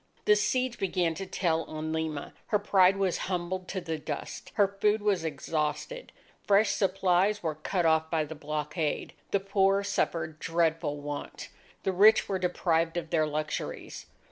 The siege began to tell on Lima. Her pride was humbled to the dust. Her food was exhausted. Fresh supplies were cut off by the blockade. The poor suffered dreadful want. The rich were deprived of their luxuries.